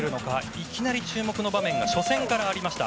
いきなり注目の場面が初戦からありました。